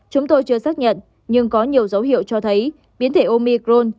chúng tôi chưa xác nhận nhưng có nhiều dấu hiệu cho thấy biến thể omicron